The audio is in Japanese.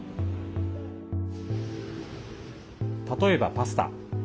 例えば、パスタ。